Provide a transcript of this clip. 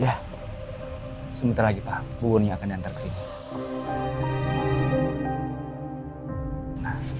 ya sementara kita pun akan dan tersebut